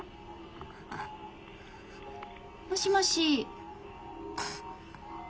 もしもし。